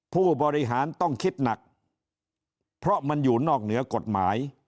ผู้บริหารต้องคิดหนักเพราะมันอยู่นอกเหนือกฎหมาย